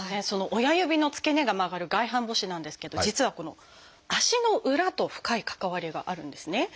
その親指の付け根が曲がる外反母趾なんですけど実はこの足の裏と深い関わりがあるんですね。